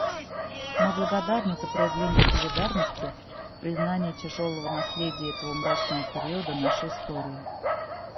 Мы благодарны за проявление солидарности в признании тяжелого наследия этого мрачного периода нашей истории.